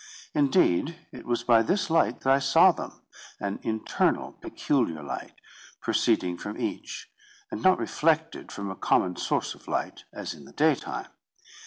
Indeed it was by this light that I saw them, an internal, peculiar light, proceeding from each, and not reflected from a common source of light as in the daytime.